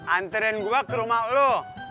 anterin gua ke rumah lu